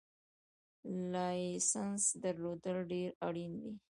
لایسنس درلودل ډېر اړین دي